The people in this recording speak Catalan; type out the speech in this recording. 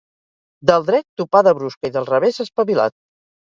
Del dret, topada brusca, i del revés, espavilat.